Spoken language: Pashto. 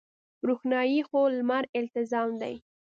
روښنايي خو د لمر التزام دی.